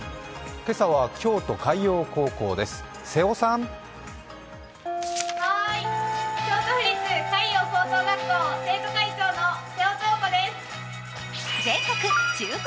今朝は京都海洋高校です。